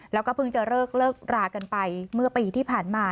แล้วก็เพิ่งจะเลิกเลิกรากันไปเมื่อปีที่ผ่านมา